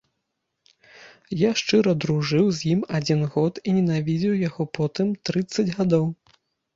Я шчыра дружыў з ім адзін год і ненавідзеў яго потым трыццаць гадоў.